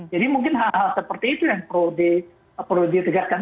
jadi mungkin hal hal seperti itu yang perlu ditegaskan